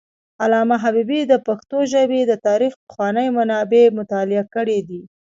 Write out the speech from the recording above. علامه حبیبي د پښتو ژبې د تاریخ پخواني منابع مطالعه کړي دي.